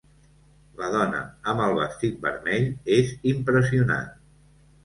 La dona amb el vestit vermell és impressionant.